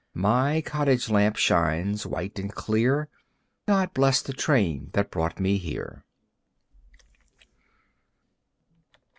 My cottage lamp shines white and clear. God bless the train that brought me here.